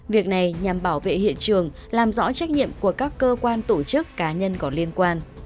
việc này nhằm bảo vệ hiện trường làm rõ trách nhiệm của các cơ quan tổ chức cá nhân có liên quan